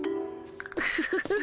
フフフフフ